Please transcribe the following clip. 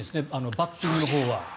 バッティングのほうは。